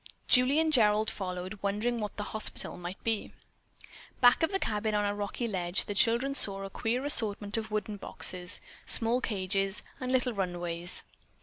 Julie and Gerald followed, wondering what the "hospital" might be. Back of the cabin, on a rocky ledge, the children saw a queer assortment of wooden boxes, small cages and little runways.